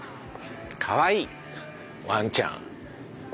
かわいいワンちゃん。